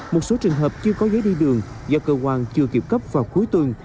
một số trường hợp chưa có giấy đi đường do cơ quan chưa kịp cấp vào cuối tuần